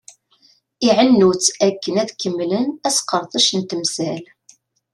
Iɛennu-tt akken ad kemmlen asqerdec n temsal.